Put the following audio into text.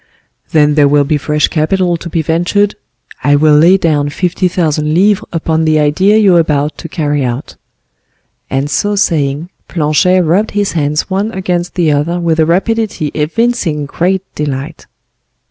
"Then there will be fresh capital to be ventured? I will lay down fifty thousand livres upon the idea you are about to carry out." And so saying, Planchet rubbed his hands one against the other with a rapidity evincing great delight.